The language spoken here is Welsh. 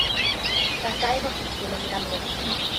Daw'r gair o'r Lladin am gannwyll.